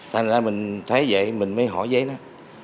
thành ra mình thấy vậy mình mới hỏi giấy nó